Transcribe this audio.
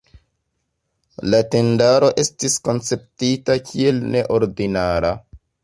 La tendaro estis konceptita kiel neordinara.